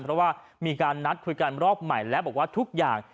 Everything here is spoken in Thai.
เพราะว่ามีการนัดคุยกันรอบใหม่และบอกว่าทุกอย่าง